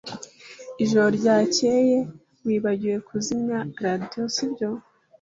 Ijoro ryakeye wibagiwe kuzimya radio sibyo